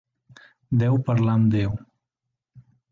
Deu parlar amb Déu.